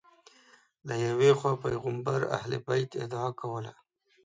له یوې خوا پیغمبر اهل بیت ادعا کوله